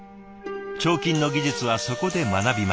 彫金の技術はそこで学びました。